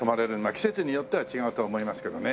季節によっては違うとは思いますけどね。